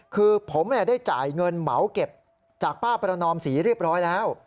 คือผมได้จ่ายเงินเหมาเก็บจากป้าประนอมศรีเรียบร้อยแล้ว